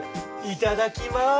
いただきます。